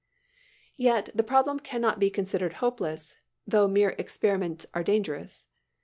Yet, the problem can not be considered hopeless, though mere experiments are dangerous.